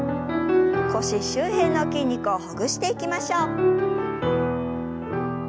腰周辺の筋肉をほぐしていきましょう。